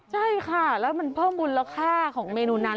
ใช่ค่ะแล้วมันเพิ่มมูลค่าของเมนูนั้น